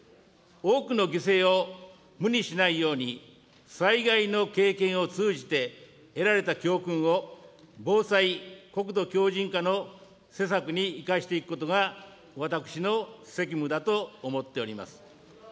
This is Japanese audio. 多くの犠牲を無にしないように、災害の経験を通じて得られた教訓を、防災、国土強じん化の施策に生かしていくことが私の責務だと思っております。